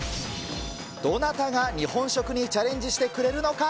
どなたが日本食にチャレンジしてくれるのか。